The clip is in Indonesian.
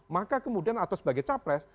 maka kemudian atau sebagai capres